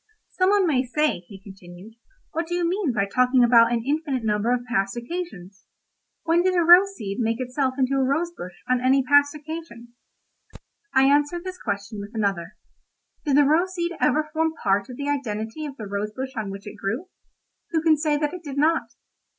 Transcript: "Some one may say," he continued, "'What do you mean by talking about an infinite number of past occasions? When did a rose seed make itself into a rose bush on any past occasion?' "I answer this question with another. 'Did the rose seed ever form part of the identity of the rose bush on which it grew?' Who can say that it did not?